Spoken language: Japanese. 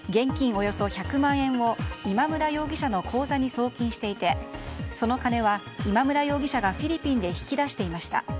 およそ１００万円を今村容疑者の口座に送金していてその金は今村容疑者がフィリピンで引き出していました。